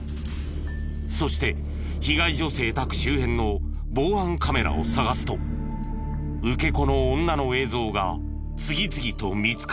そして被害女性宅周辺の防犯カメラを探すと受け子の女の映像が次々と見つかった。